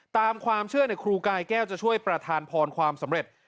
ตามความเชื่อครูกายแก้วจะช่วยประธานพรความสำเร็จ